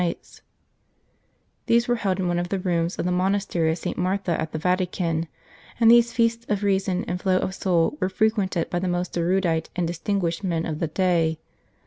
Vatican Nights " These were held in one of the rooms of the Monastery of St. Martha at the Vatican ; and these feasts of reason and flow of soul were fre quented by the most erudite and distinguished men of the day.